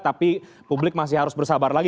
tapi publik masih harus bersabar lagi